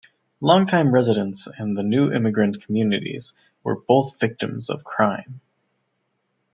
Long-time residents and the new immigrant communities were both victims of crime.